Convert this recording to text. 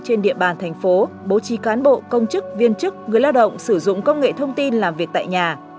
trên địa bàn thành phố bố trí cán bộ công chức viên chức người lao động sử dụng công nghệ thông tin làm việc tại nhà